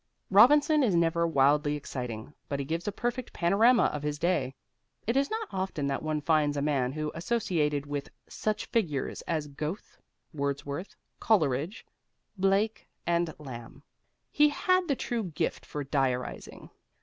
Robinson is never wildly exciting, but he gives a perfect panorama of his day. It is not often that one finds a man who associated with such figures as Goethe, Wordsworth, Coleridge, Blake, and Lamb. He had the true gift for diarizing.